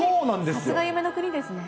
さすが夢の国ですね。